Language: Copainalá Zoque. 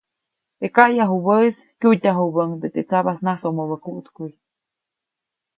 Teʼ kayajubäʼis kyujtyajubäʼuŋdeʼe teʼ tsabasnasomobä kuʼtkuʼy.